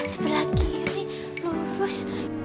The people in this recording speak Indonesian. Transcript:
sebelah kiri lurus